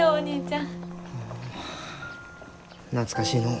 あ懐かしいのう。